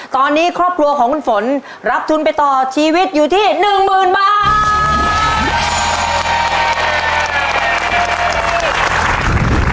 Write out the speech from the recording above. ตอนนี้ครอบครัวของคุณฝนรับทุนไปต่อชีวิตอยู่ที่๑๐๐๐บาท